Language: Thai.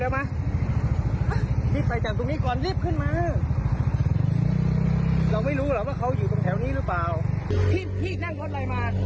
แบบว่ามีแบบไม่ต้องเถอะ